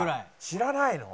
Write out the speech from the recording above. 「知らないの？」